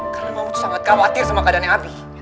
karena mama sangat khawatir sama keadaannya abi